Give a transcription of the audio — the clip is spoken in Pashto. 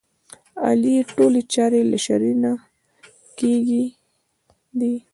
د علي ټولې چارې له شرعې نه کېږي دي.